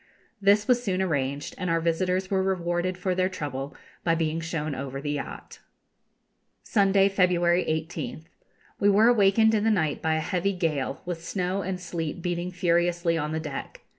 This was soon arranged, and our visitors were rewarded for their trouble by being shown over the yacht. Sunday, February 18th. We were awakened in the night by a heavy gale, with snow and sleet beating furiously on the deck.